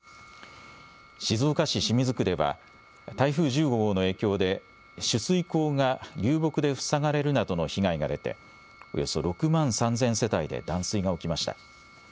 静岡市清水区では、台風１５号の影響で、取水口が流木で塞がれるなどの被害が出て、およそ６万３０００世帯で断水が起きました。